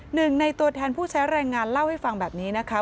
หนึ่งในตัวแทนผู้ใช้แรงงานเล่าให้ฟังแบบนี้นะคะ